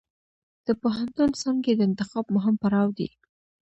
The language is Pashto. د پوهنتون څانګې د انتخاب مهم پړاو دی.